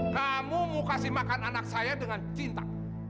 kamu mau kasih makan anak saya dengan cinta